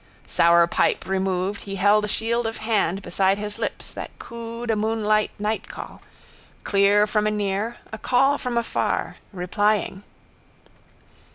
Sour pipe removed he held a shield of hand beside his lips that cooed a moonlight nightcall, clear from anear, a call from afar, replying.